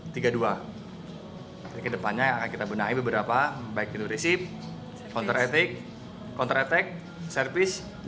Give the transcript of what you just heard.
jadi ke depannya akan kita benahi beberapa baik itu resip counter attack service